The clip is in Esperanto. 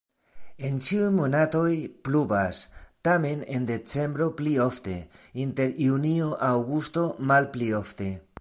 En ĉiuj monatoj pluvas, tamen en decembro pli ofte, inter junio-aŭgusto malpli ofte.